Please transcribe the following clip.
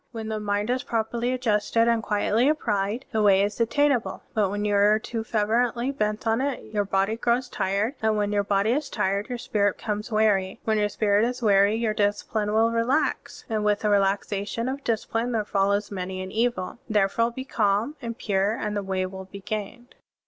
When the mind is properly adjusted and quietly applied, the Way is attainable; but when you are too fervently bent on it, your body grows tired; and Digitized by Google 1 8 SERMONS OF A BUDDHIST ABBOT when your body is tired, your spirit becomes weary; when yotir spirit is weary, your discipline will relax; and with the relaxation of discipline there follows many an evil. Therefore, be calm and pure, and the Way will be gained."